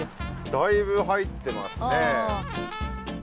だいぶ入ってますね。